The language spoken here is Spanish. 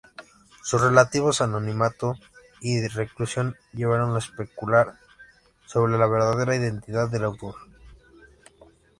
Sus relativos anonimato y reclusión llevaron a especular sobre la verdadera identidad del autor.